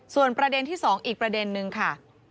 ส่วนประเด็นที่๒อีกประเด็นนึงค่ะ